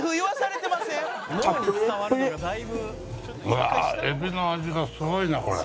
うわ海老の味がすごいなこれ。